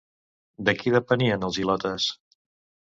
De qui depenien els ilotes?